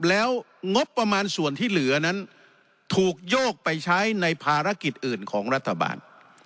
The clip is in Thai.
แล้วงบประมาณส่วนที่เหลือนั้นถูกโยกไปใช้ในภารกิจอื่นของรัฐบาล